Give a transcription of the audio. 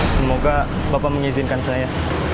semoga bapak mengizinkan saya